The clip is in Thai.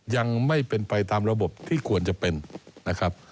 ยังไม่เป็นไปตามระบบที่ควรจะเป็นนะครับ